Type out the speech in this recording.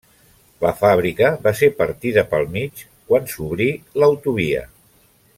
La fàbrica va ser partida pel mig quan s'obrí l'autovia.